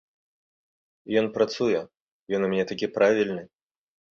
Ён працуе, ён у мяне такі правільны.